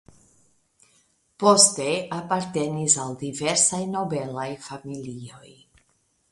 Poste apartenis al diversaj nobelaj familioj.